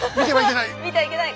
見てはいけない！